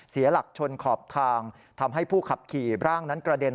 เสียหลักชนขอบทางทำให้ผู้ขับขี่ร่างนั้นกระเด็น